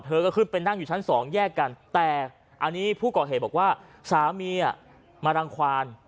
ก็ขึ้นไปนั่งอยู่ชั้นสองแยกกันแต่อันนี้ผู้ก่อเหตุบอกว่าสามีมารังความ